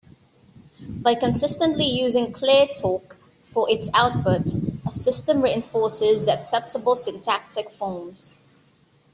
By consistently using ClearTalk for its output, a system reinforces the acceptable syntactic forms.